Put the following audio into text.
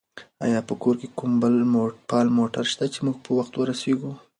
آیا په کور کې کوم بل فعال موټر شته چې موږ په وخت ورسېږو؟